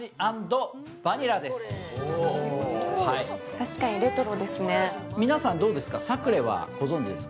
確かにレトロですね。